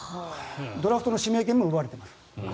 ドラフトの指名権も奪われています。